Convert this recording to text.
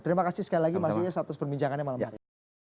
terima kasih sekali lagi mas yas atas perbincangannya malam hari ini